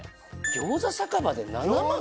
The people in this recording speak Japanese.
餃子酒場で７万？